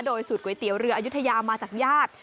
โดยสูตรก๋วยเตี๋ยวเรืออายุทยามาจากญาติ